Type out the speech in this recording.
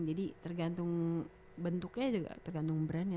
jadi tergantung bentuknya juga tergantung brandnya